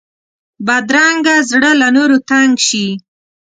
بدرنګه زړه له نورو تنګ شي